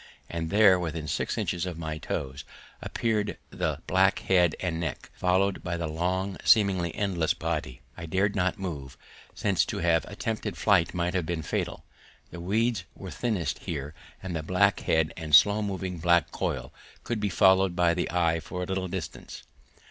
And there, within six inches of my toes, appeared the black head and neck, followed by the long, seemingly endless body. I dared not move, since to have attempted flight might have been fatal. The weeds were thinnest here, and the black head and slow moving black coil could be followed by the eye for a little distance.